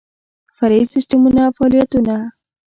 فرعي سیسټمونه او فعالیتونه